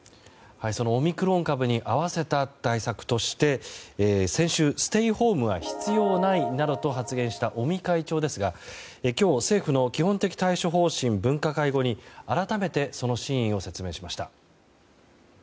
そのオミクロン株に合わせた対策として先週、ステイホームは必要ないなどと発言した尾身会長ですが、今日政府の基本的対処方針分科会後に改めてその真意を説明しました。